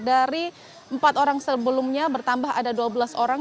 dari empat orang sebelumnya bertambah ada dua belas orang